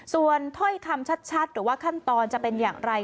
ส่วนถ้อยคำชัดหรือว่าขั้นตอนจะเป็นอย่างไร